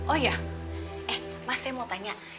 oh ya eh mas saya mau tanya